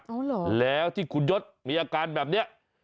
เอาเหรอแล้วที่คุณยศมีอาการแบบนี้